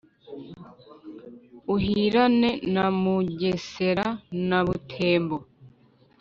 uhirane na mugesera na butembo